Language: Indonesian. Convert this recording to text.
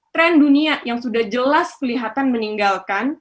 tren dunia yang sudah jelas kelihatan meninggalkan